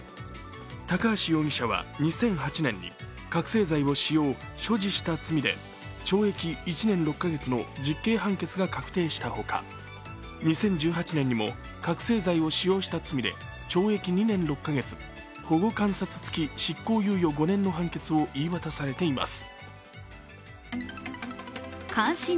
高橋容疑者は２００８年に覚せい剤を使用、所持した疑いで懲役１年６か月の実刑判決が確定したほか、２０１８年にも、覚醒剤を使用した罪で懲役２年６か月保護観察付き執行猶予５年の判決を言い渡されています。